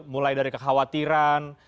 mulai dari kekhawatiran